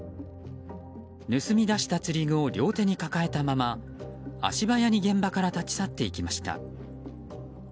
盗み出した釣り具を両手に抱えたまま足早に現場から立ち去っていきました。